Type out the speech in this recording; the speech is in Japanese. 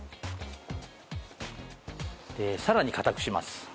でさらにかたくします。